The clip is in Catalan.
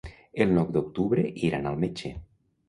El nou d'octubre iran al metge.